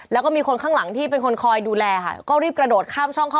แล้วก็มีคนข้างหลังที่เป็นคนคอยดูแลค่ะ